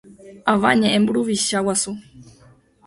Avañeʼẽ mburuvicha guasu.